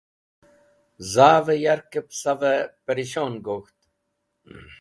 Zur yarkẽb zavẽ pẽrishon gog̃ht.